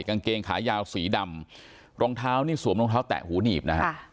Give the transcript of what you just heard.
กางเกงขายาวสีดำรองเท้านี่สวมรองเท้าแตะหูหนีบนะฮะ